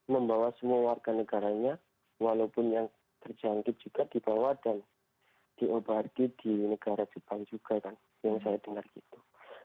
membawa semua warga negaranya walaupun yang terjangkit juga dibawa dan diobati di negara jepang juga kan yang saya dengar gitu